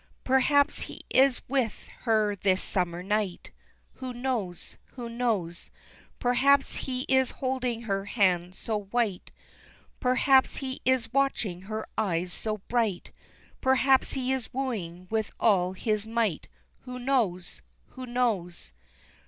Perhaps he is with her this summer night Who knows? Who knows? Perhaps he is holding her hand so white, Perhaps he is watching her eyes so bright, Perhaps he is wooing with all his might, Who knows? Who knows?